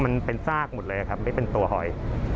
มันเป็นซากหมดเลยครับไม่เป็นตัวหอย